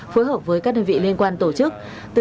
phối hợp với các đơn vị liên quan tổ chức